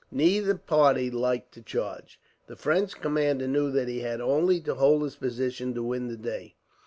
Neither party liked to charge. The French commander knew that he had only to hold his position to win the day.